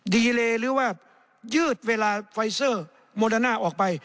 ดีเลหรือว่ายืดเวลาไฟเซอร์โมเดอร์น่าออกไป